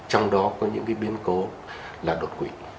trong đó có những biến cố là đột quỵ